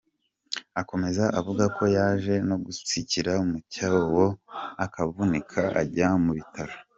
Akomeza avuga ko yaje no gutsikira mu cyobo akavunika, ajya mu bitaro.